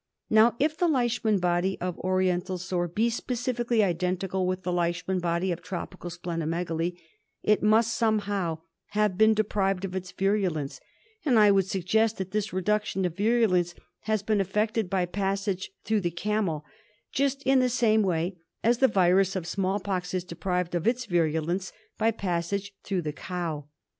Now, if the Leishman body of Oriental Sore be specifically identical with the Leishman body of tropical spleno megaly, it must somehow have been deprived of its virulence ; and I would suggest that this reduction of virulence has been effected by passage through the camel, just in the same way as the virus of smallpox is deprived of its virulence by passage through the cow.